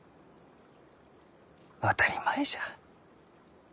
当たり前じゃ。